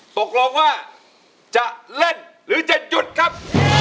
ตกลงว่าจะเล่นหรือจะหยุดครับ